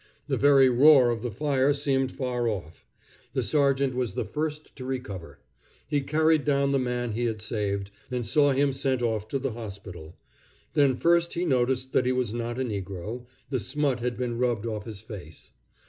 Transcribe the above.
The very roar of the fire seemed far off. The sergeant was the first to recover. He carried down the man he had saved, and saw him sent off to the hospital. Then first he noticed that he was not a negro; the smut had been rubbed off his face.